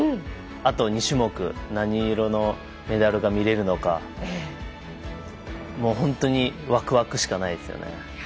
あと２種目何色のメダルが見れるのか本当にわくわくしかないです。